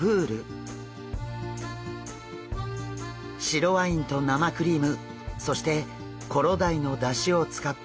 白ワインと生クリームそしてコロダイのだしを使ったソースで頂きます。